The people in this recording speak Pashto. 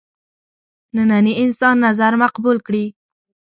ننني انسان نظر مقبول کړي.